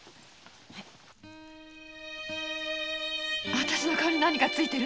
あたしの顔に何かついてる？